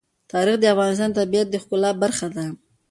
تاریخ د افغانستان د طبیعت د ښکلا برخه ده.